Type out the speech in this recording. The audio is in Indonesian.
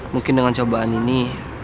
mungkin dengan cobaan ini